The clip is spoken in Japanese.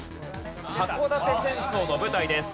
箱館戦争の舞台です。